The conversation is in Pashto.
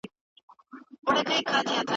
آيا ليکوالان د ټولني په وړاندې خپل مسئوليت پېژني؟